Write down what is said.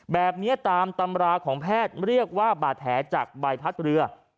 แบบนี้ตามตำราของแพทย์เรียกว่าบาดแผลจากใบพัดเรือ